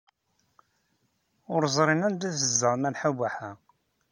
Ur ẓrin anda ay tezdeɣ Malḥa Baḥa.